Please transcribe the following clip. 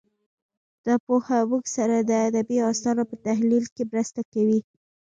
دا پوهه موږ سره د ادبي اثارو په تحلیل کې مرسته کوي